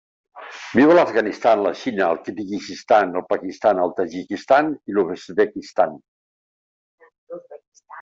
Viu a l'Afganistan, la Xina, el Kirguizistan, el Pakistan, el Tadjikistan i l'Uzbekistan.